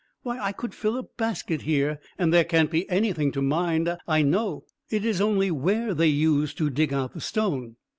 "Why, I could fill a basket here, and there can't be anything to mind, I know; it is only where they used to dig out the stone."